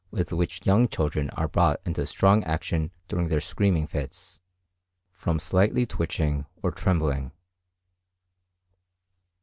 which with young children are brought into strong action during their screaming fits, from slightly twitching or trembling.